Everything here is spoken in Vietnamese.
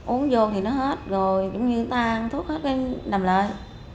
uống vô thì nó hết rồi cũng như tan thuốc hết nằm lại